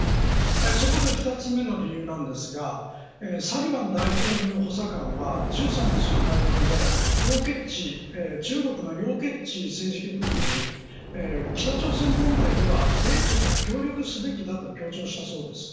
そこで２つ目の理由なんですがサリバン大統領補佐官は１３日の会談で中国の楊潔チ政治局員に北朝鮮問題では米中が協力すべきだと強調したそうです。